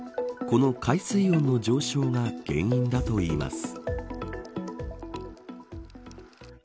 この海水温の上昇が原因だといいます。